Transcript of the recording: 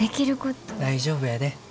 大丈夫やで。